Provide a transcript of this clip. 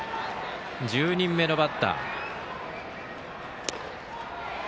１０人目のバッター。